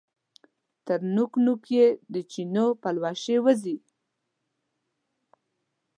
تر نوک، نوک یې د چینو پلوشې وځي